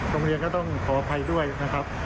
ตรงนี้ก็ต้องขออภัยด้วยนะครับ